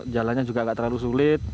jalannya juga nggak terlalu sulit